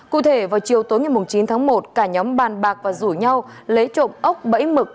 cụ thể vào chiều tối ngày chín tháng một cả nhóm bàn bạc và rủ nhau lấy trộm ốc bẫy mực